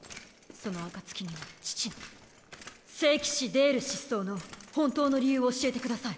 その暁には父の聖騎士デール失踪の本当の理由を教えてください。